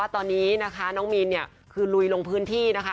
ต้องมีเนี่ยคือลุยลงพื้นที่นะคะ